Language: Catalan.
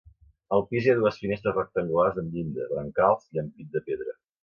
Al pis hi ha dues finestres rectangulars amb llinda, brancals i ampit de pedra.